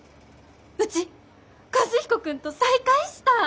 うち和彦君と再会した！